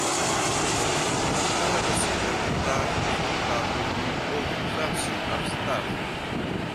Não é possível entrar em contato ou recusar-se a visitar